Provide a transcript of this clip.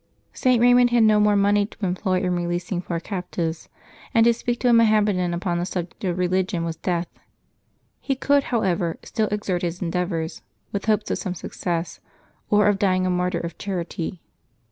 St. Eaymund had no more money to em ploy in releasing poor captives, and to speak to a Moham medan upon the subject of religion was death. He could, however, still exert his endeavors, with hopes of some suc cess, or of dying a martyr of charity.